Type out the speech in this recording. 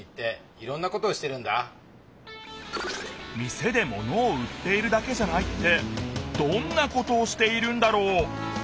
店で物を売っているだけじゃないってどんなことをしているんだろう？